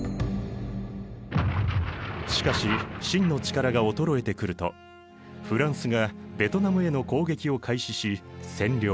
しかし清の力が衰えてくるとフランスがベトナムへの攻撃を開始し占領。